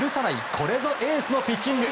これぞエースのピッチング。